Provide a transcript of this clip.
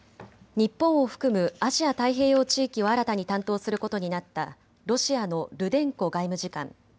日本を含むアジア太平洋地域を新たに担当することになったロシアのルデンコ外務次官。